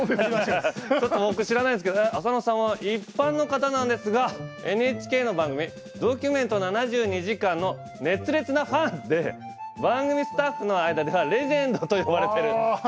ちょっと僕知らないんですけど浅野さんは一般の方なんですがＮＨＫの番組「ドキュメント７２時間」の熱烈なファンで番組スタッフの間ではレジェンドと呼ばれてるすごい方。